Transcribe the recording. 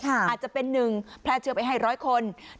อาจจะเป็น๑แพร่เชื้อไปให้๑๐๐คน